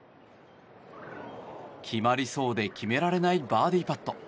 決まりそうで決められないバーディーパット。